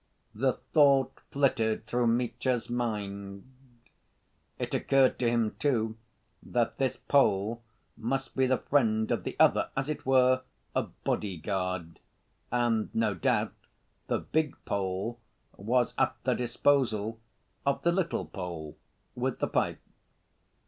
The thought flitted through Mitya's mind. It occurred to him, too, that this Pole must be the friend of the other, as it were, a "bodyguard," and no doubt the big Pole was at the disposal of the little Pole with the pipe.